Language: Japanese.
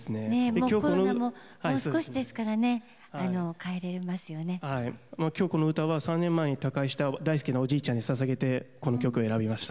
今日この歌は３年前に他界した大好きなおじいちゃんにささげて、この曲を選びました。